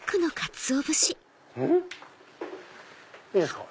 うん⁉いいですか？